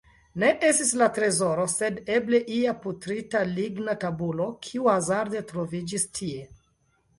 Ne estis la trezoro, sed eble ia putrita ligna tabulo, kiu hazarde troviĝis tie.